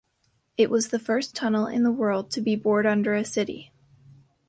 It was the first tunnel in the world to be bored under a city.